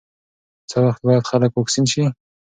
څه وخت باید خلک واکسین شي؟